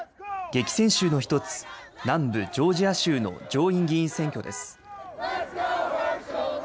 激戦州の１つ、南部ジョージア州の上院議員選挙です。